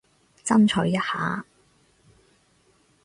爭取一下